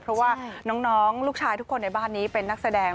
เพราะว่าน้องลูกชายทุกคนในบ้านนี้เป็นนักแสดง